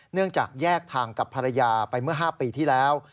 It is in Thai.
เนื่องจากแยกทางกับภรรยาไปเมื่อ๕ปีที่แล้ว